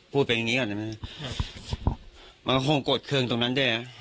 พูดเป็นอย่างนี้ก่อนมันก็คงโกรธเครื่องตรงนั้นด้วยนะครับ